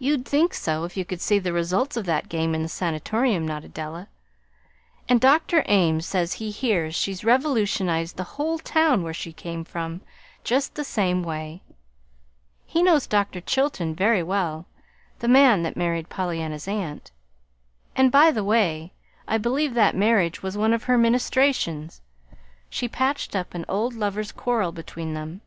"You'd think so if you could see the results of that game in the Sanatorium," nodded Della; "and Dr. Ames says he hears she's revolutionized the whole town where she came from, just the same way. He knows Dr. Chilton very well the man that married Pollyanna's aunt. And, by the way, I believe that marriage was one of her ministrations. She patched up an old lovers' quarrel between them.